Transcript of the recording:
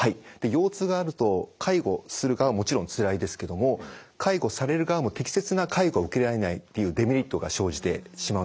腰痛があると介護する側はもちろんつらいですけども介護される側も適切な介護が受けられないっていうデメリットが生じてしまうんですね。